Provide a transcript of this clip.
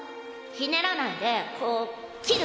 ひねらないで切る。